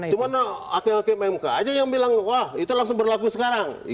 cuma hakim hakim mk aja yang bilang wah itu langsung berlaku sekarang